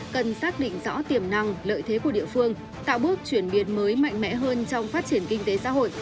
cần xác định rõ tiềm năng lợi thế của địa phương tạo bước chuyển biến mới mạnh mẽ hơn trong phát triển kinh tế xã hội